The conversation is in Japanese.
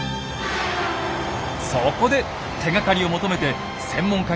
そこで手がかりを求めて専門家がいる京都へ！